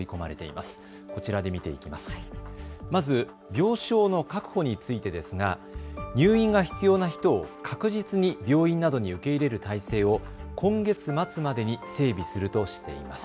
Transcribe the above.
まず病床の確保についてですが入院が必要な人を確実に病院などに受け入れる体制を今月末までに整備するとしています。